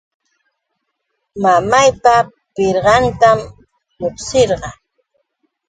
Mamaypa pirqantam llushirqaa.